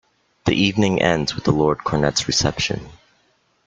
The evening ends with the Lord Cornet's Reception.